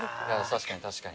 確かに確かに。